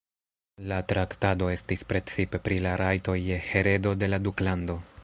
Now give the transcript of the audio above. La traktado estis precipe pri la rajtoj je heredo de la duklando.